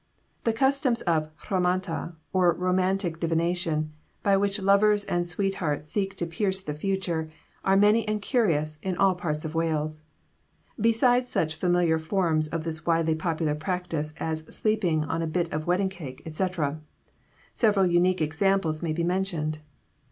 The customs of Rhamanta, or romantic divination, by which lovers and sweethearts seek to pierce the future, are many and curious, in all parts of Wales. Besides such familiar forms of this widely popular practice as sleeping on a bit of wedding cake, etc., several unique examples may be mentioned.